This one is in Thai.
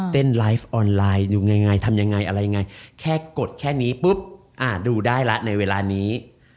เล่นไลฟ์ออนไลน์อยู่ไงทำยังไงอะไรยังไงแค่กดแค่นี้ปุ๊บดูได้ละในเวลานี้